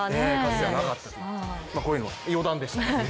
こういうの、余談でした。